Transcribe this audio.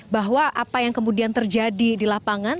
bahwa apa yang kemudian terjadi di lapangan